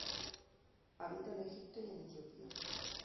Habita en Egipto y en Etiopía.